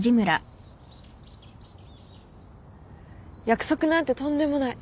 約束なんてとんでもない。